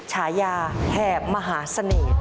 ฉายาแหบมหาเสน่ห์